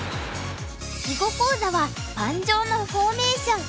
囲碁講座は「盤上のフォーメーション」。